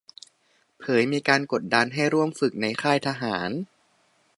เผยมีการกดดันให้ร่วมฝึกในค่ายทหาร